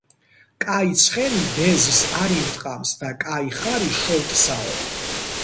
კაი ცხენი დეზს არ ირტყამს და კაი ხარი - შოლტსაო